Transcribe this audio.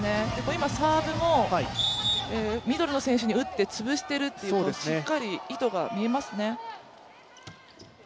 今、サーブもミドルの選手に打ってつぶしてるってしっかり意図が見えますね。